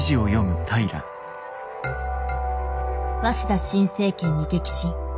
鷲田新政権に激震。